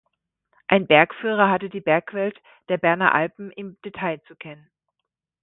Ein Bergführer hatte die Bergwelt der Berner Alpen im Detail zu kennen.